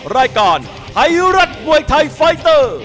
รายการไทยรัฐมวยไทยไฟเตอร์